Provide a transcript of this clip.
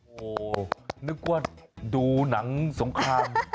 โอ้โหนึกว่าดูหนังสงคราม